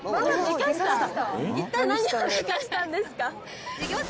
一体何をでかしたんですか？